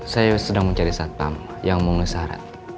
saya sedang mencari satpam yang memenuhi syarat